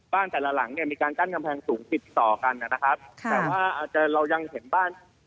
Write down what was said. แต่ละหลังเนี่ยมีการกั้นกำแพงสูงติดต่อกันนะครับค่ะแต่ว่าอาจจะเรายังเห็นบ้าน